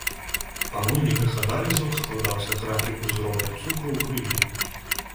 Па выніках аналізаў складаўся графік узроўня цукру ў крыві.